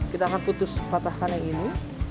kita akan putus patahkan yang ini